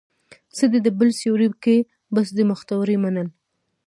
څه دي د بل سيوري کې، بس د مختورۍ منل